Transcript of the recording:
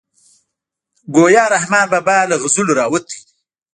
ګویا رحمان بابا له غزلو راوتی دی.